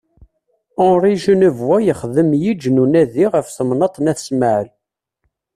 Henri Genevois yexdem yiǧ n unadi ɣef temnaḍt n Ayt Smaɛel.